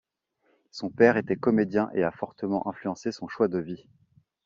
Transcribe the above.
Son père était comédien et a fortement influencé son choix de vie.